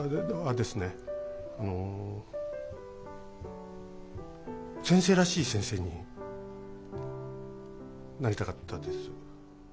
あの先生らしい先生になりたかったです。